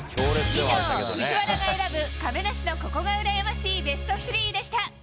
以上、藤原が選ぶ亀梨のここがうらやましいベスト３でした。